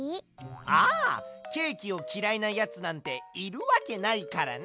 ああケーキをきらいなやつなんているわけないからな！